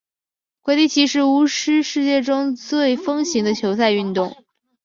魁地奇是巫师世界中最风行的球赛运动。